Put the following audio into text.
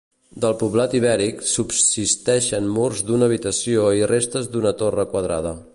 Del poblat ibèric subsisteixen murs d'una habitació i restes d'una torre quadrada.